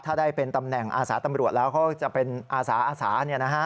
ถ้าได้เป็นตำแหน่งอาสาตำรวจแล้วเขาจะเป็นอาสาอาสา